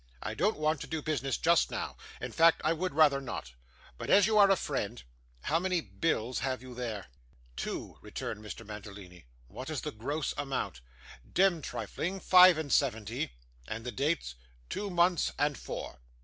'I don't want to do business just now, in fact I would rather not; but as you are a friend how many bills have you there?' 'Two,' returned Mr. Mantalini. 'What is the gross amount?' 'Demd trifling five and seventy.' 'And the dates?' 'Two months, and four.